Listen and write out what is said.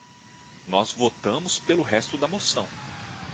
Nós votamos pelo resto da moção.